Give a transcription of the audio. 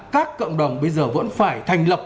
các cộng đồng bây giờ vẫn phải thành lập